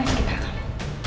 di sekitar kamu